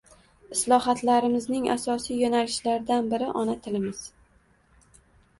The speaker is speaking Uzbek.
Islohotlarimizning asosiy yoʻnalishlaridan biri ona tilimiz.